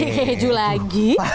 pakai keju lagi